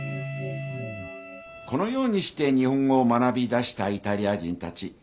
このようにして日本語を学びだしたイタリア人たち。